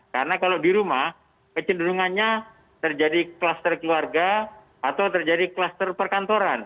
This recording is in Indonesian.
karena kalau di rumah kecenderungannya terjadi kluster keluarga atau terjadi kluster perkantoran